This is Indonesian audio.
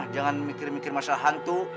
jangan mikir mikir masa hantu